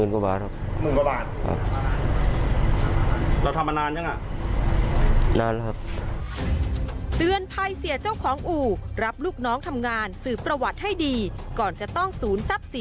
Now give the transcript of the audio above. คันหนึ่งคันหนึ่งขายได้เท่าไหร่ครับ